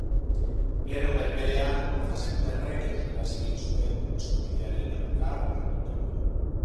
Pleno berberean Borja Sémperrek euskaraz egin zuen, eskubidearen aurka jarduteko